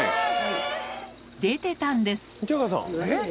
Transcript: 出てたんですえっ